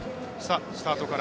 スタートから。